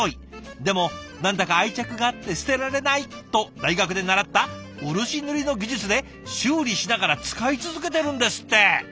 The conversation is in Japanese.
でも何だか愛着があって捨てられないと大学で習った漆塗りの技術で修理しながら使い続けてるんですって。